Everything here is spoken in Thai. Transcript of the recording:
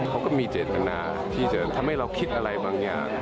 เขาก็มีเจตนาที่จะทำให้เราคิดอะไรบางอย่าง